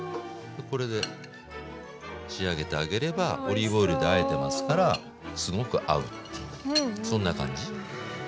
これで仕上げてあげればオリーブオイルであえてますからすごく合うっていうそんな感じ。